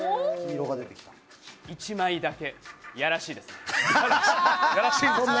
１枚だけ、いやらしいですね。